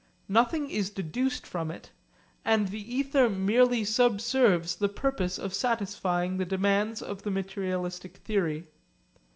Nothing is deduced from it; and the ether merely subserves the purpose of satisfying the demands of the materialistic theory.